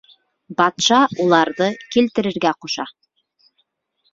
Батша уларҙы килтерергә ҡуша.